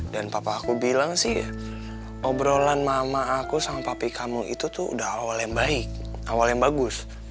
papa aku bilang sih ya obrolan mama aku sama papa kamu itu tuh udah awal yang baik awal yang bagus